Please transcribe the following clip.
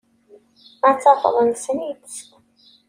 Ad tafeḍ nessen-itt.